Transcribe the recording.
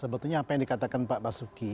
sebetulnya apa yang dikatakan pak basuki